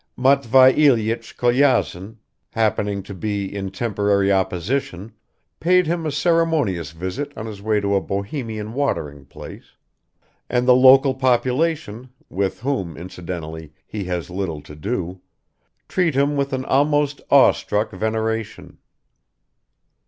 Matvei Ilyich Kolyazin, happening to be "in temporary opposition," paid him a ceremonious visit on his way to a Bohemian watering place; and the local population, with whom, incidentally, he has little to do, treat him with an almost awestruck veneration.